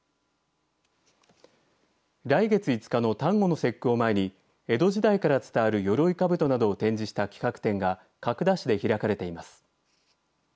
来月５日の端午の節句を前に江戸時代から伝わるよろいかぶとなどを展示した企画展が角田市で開かれています。